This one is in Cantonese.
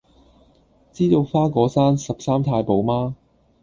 知道花果山十三太保嗎